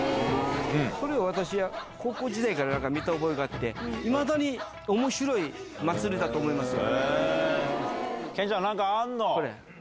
それ私高校時代から見た覚えがあっていまだに面白い祭りと思います。